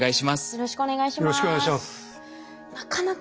よろしくお願いします。